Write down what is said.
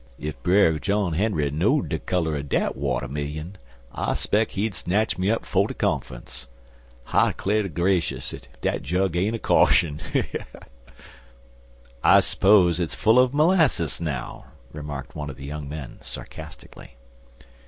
If Brer John Henry know'd de color er dat watermillion, I speck he'd snatch me up 'fo' de confunce. I 'clar' ter grashus ef dat jug ain't a caution!" "I suppose it's full of molasses now," remarked one of the young men, sarcastically.